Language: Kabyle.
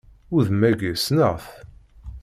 Udem-agi, ssneɣ-t!